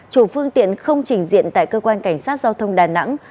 chủ phương tiện không trình diện tại cơ quan cảnh sát giao thông đà nẵng